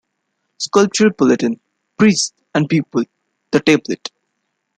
"Scripture Bulletin", "Priests and People", "The Tablet.